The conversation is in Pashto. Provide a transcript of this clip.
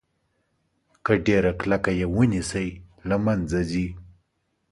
که ډیره کلکه یې ونیسئ له منځه ځي.